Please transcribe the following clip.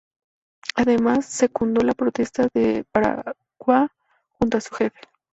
Además, secundó la protesta de Baraguá junto a su jefe.